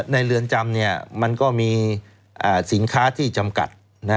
เรือนจำมันก็มีสินค้าที่จำกัด